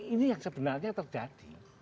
ini yang sebenarnya terjadi